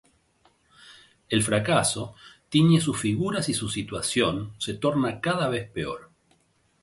El fracaso tiñe sus figuras y su situación se torna cada vez peor.